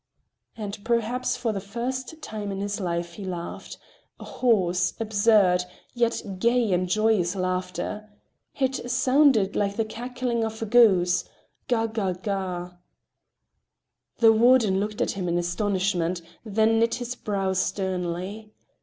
And perhaps for the first time in his life he laughed, a hoarse, absurd, yet gay and joyous laughter. It sounded like the cackling of a goose, Ga ga ga! The warden looked at him in astonishment, then knit his brow sternly.